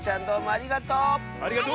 ありがとう！